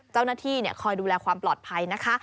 เจ้าหน้าที่คอยดูแลความปลอดภัยนะคะ